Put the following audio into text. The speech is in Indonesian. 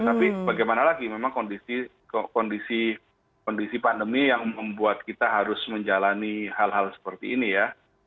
tapi bagaimana lagi memang kondisi pandemi yang membuat kita harus menjalani hal hal seperti ini ya